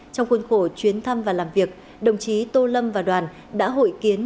trong khuôn khổ chuyến thăm và làm việc đồng chí tô lâm và đoàn đã hội kiến